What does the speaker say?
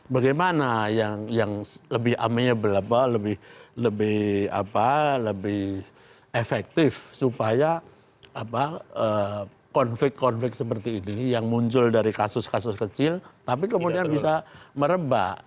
bagaimana yang lebih efektif supaya konflik konflik seperti ini yang muncul dari kasus kasus kecil tapi kemudian bisa merebak